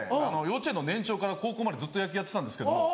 幼稚園の年長から高校までずっと野球やってたんですけども。